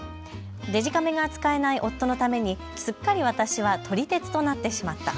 デジカメが使えない夫のためにすっかり私は撮り鉄となってしまった。